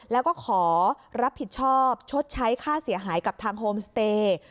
แล้วก็ขอรับผิดชอบชดใช้ค่าเสียหายกับทางโฮมสเตย์